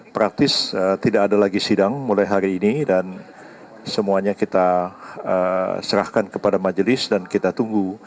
praktis tidak ada lagi sidang mulai hari ini dan semuanya kita serahkan kepada majelis dan kita tunggu